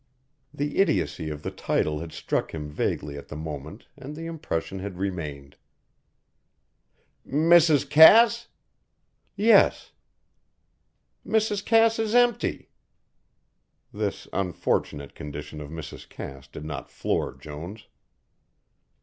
The idiocy of the title had struck him vaguely at the moment and the impression had remained. "Mrs. Cass?" "Yes." "Mrs. Cass's empty." This unfortunate condition of Mrs. Cass did not floor Jones.